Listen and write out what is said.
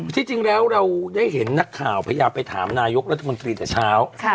ที่จริงแล้วเราได้เห็นนักข่าวพยายามไปถามนายกรัฐมนตรีแต่เช้า